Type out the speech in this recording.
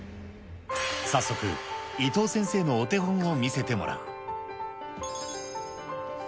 早速、伊藤先生のお手本を見せてもらう。